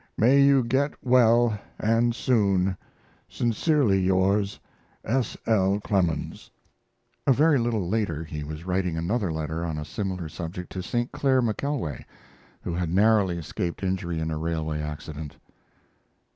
May you get well & soon! Sincerely yours, S. L. CLEMENS. A very little later he was writing another letter on a similar subject to St. Clair McKelway, who had narrowly escaped injury in a railway accident.